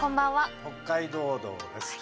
「北海道道」です。